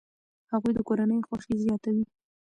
هغوی د کورنۍ خوښي زیاتوي.